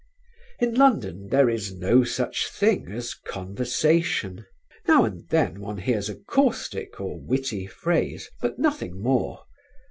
In London there is no such thing as conversation. Now and then one hears a caustic or witty phrase, but nothing more.